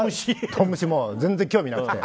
全然興味なくて。